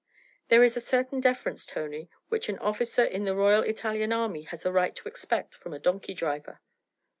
'There is a certain deference, Tony, which an officer in the Royal Italian Army has a right to expect from a donkey driver.'